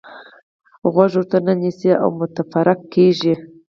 غوږ ورته نه نیسئ او متفرق کېږئ.